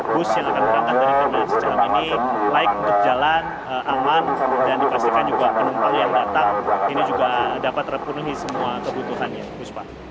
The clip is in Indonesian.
bus yang akan berangkat dari terminal sejalan ini layak untuk jalan aman dan dipastikan juga penumpang yang datang ini juga dapat terpenuhi semua kebutuhannya puspa